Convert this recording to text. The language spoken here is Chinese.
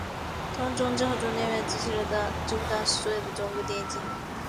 同时中制和中电还云集了几乎当时所有的中国电影精英。